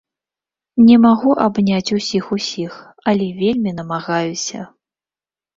Не магу абняць усіх-усіх, але вельмі намагаюся!